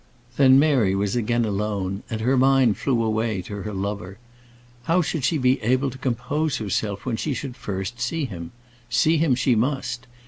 Then Mary was again alone, and her mind flew away to her lover. How should she be able to compose herself when she should first see him? See him she must.